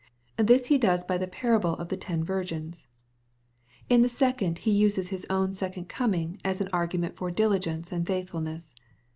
This He does by the parable of the ten virgins. — ^In the second, He uses His own second coming as an argument for diligence and faithfulness.